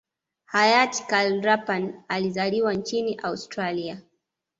hayati Karl Rapan alizaliwa nchini Australia